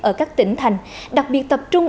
ở các tỉnh thành đặc biệt tập trung